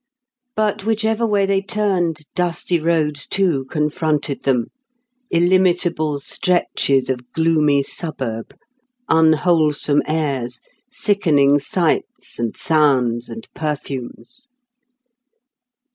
But whichever way they turned, dusty roads too confronted them, illimitable stretches of gloomy suburb, unwholesome airs, sickening sights and sounds and perfumes.